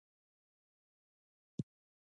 چین یوه متمرکزه امپراتوري درلوده.